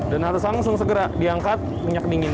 harus langsung segera diangkat minyak dingin